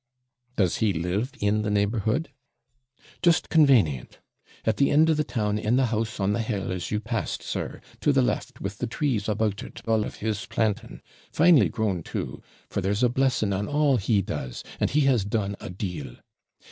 'Does he live in the neighbourhood?' 'Just CONVANIENT [CONVENIENT: near.] At the end of the town; in the house on the hill, as you passed, sir; to the left, with the trees about it, all of his planting, finely grown too for there's a blessing on all he does, and he has done a deal.